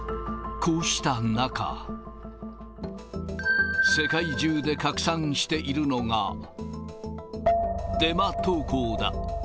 こうした中、世界中で拡散しているのが、デマ投稿だ。